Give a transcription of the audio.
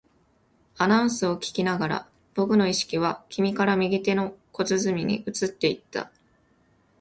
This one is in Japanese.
アナウンスを聞きながら、僕の意識は君から右手の小包に移っていった